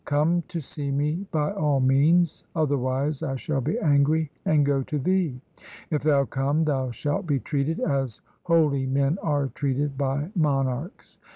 Come to see me by all means, other wise I shall be angry and go to thee. If thou come, thou shalt be treated as holy men are treated by monarchs.